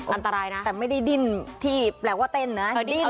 อันตรายนะแต่ไม่ได้ดิ้นที่แปลว่าเต้นนะดิ้น